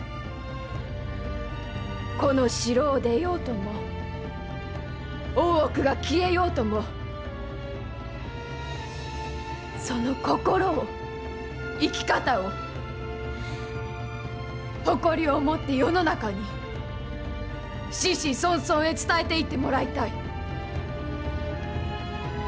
この城を出ようとも大奥が消えようともその心を生き方を誇りを持って世の中に子々孫々へ伝えていってもらいたい。